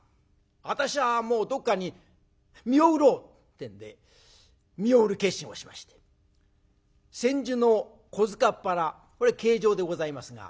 私はもうどっかに身を売ろうってんで身を売る決心をしまして千住の小塚原これ刑場でございますが。